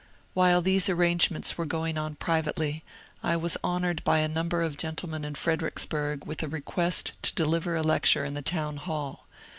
While these arrangements were going on privately, I was honoured by a number of gentlemen in Fredericksburg with a request to deliver a lecture in the town hall.